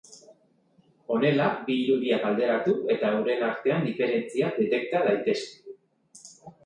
Honela bi irudiak alderatu eta euren artean diferentziak detekta daitezke.